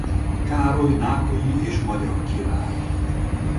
Károly nápolyi és magyar király.